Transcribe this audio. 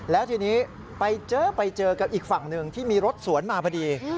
แล้วทีนี้ไปเจอไปเจอกับอีกฝั่งหนึ่งที่มีรถสวนมาพอดี